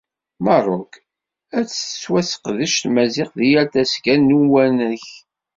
Merruk, ad tettwaseqdec Tmaziɣt deg yal tasga n uwanek.